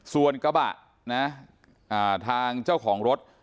ส่วนกระบะนะทางเจ้าของรถ